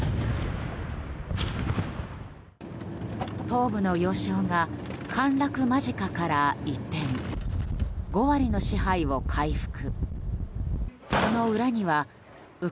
東部の要衝が陥落間近から一転５割の支配を回復。